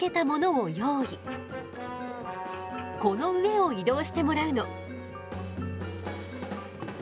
この上を移動してもらうの。